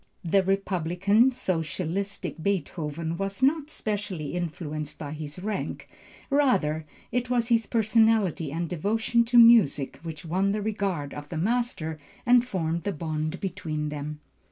The republican, socialistic Beethoven was not specially influenced by his rank; rather, it was his personality and devotion to music, which won the regard of the master and formed the bond between them.